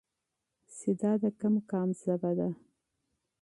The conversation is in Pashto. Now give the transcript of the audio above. چې دا د کوم قوم ژبه ده؟